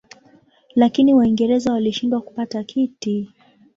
Lakini Waingereza walishindwa kupata kiti.